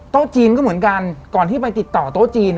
จีนก็เหมือนกันก่อนที่ไปติดต่อโต๊ะจีน